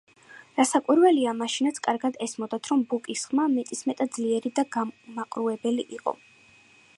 რასაკვირველია, მაშინაც კარგად ესმოდათ, რომ ბუკის ხმა მეტისმეტად ძლიერი და გამაყრუებელი იყო.